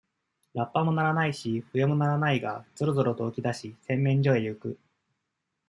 ラッパも鳴らないし、笛も鳴らないが、ぞろぞろと起き出し、洗面所へゆく。